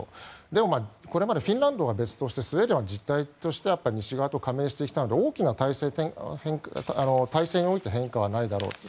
でも、これまでフィンランドは別としてスウェーデンは実態として西側に加盟してきたので大きな体制においての変化はないだろうと。